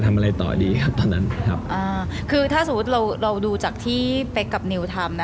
ทำอะไรต่อดีครับตอนนั้นครับคือถ้าสมมุติเราดูจากที่ไป